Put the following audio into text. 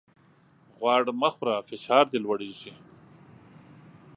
غوړ مه خوره ! فشار دي لوړېږي.